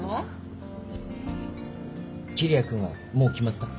桐矢君はもう決まった？